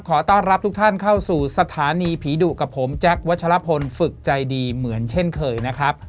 ขอต้อนรับทุกท่านเข้าสู่สถานีผีดุกับผมแจ๊ควัชลพลฝึกใจดีเหมือนเช่นเคยนะครับ